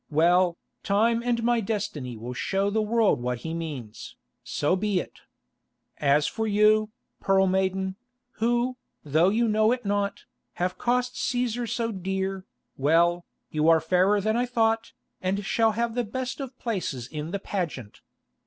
"Well, time and my destiny will show the world what he means. So be it. As for you, Pearl Maiden, who, though you know it not, have cost Cæsar so dear, well, you are fairer than I thought, and shall have the best of places in the pageant.